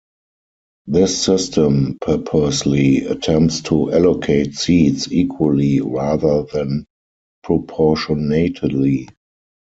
This system purposely attempts to allocate seats equally rather than proportionately.